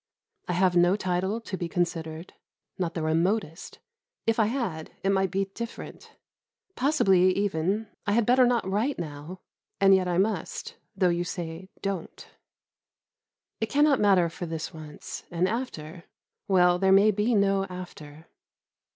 I have no title to be considered, not the remotest; if I had, it might be different. Possibly, even, I had better not write now, and yet I must, though you say "Don't." It cannot matter for this once, and after well, there may be no after.